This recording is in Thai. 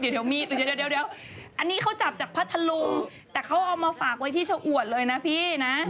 เดี๋ยวอันนี้เขาจับจากพัทธลุงแต่เขาเอามาฝากไว้ที่ชะอวดเลยนะพี่นะ